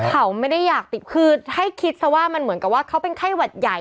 เขาไม่ได้อยากติดคือให้คิดซะว่ามันเหมือนกับว่าเขาเป็นไข้หวัดใหญ่